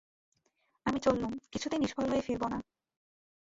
আমি চললুম, কিছুতেই নিষ্ফল হয়ে ফিরব না।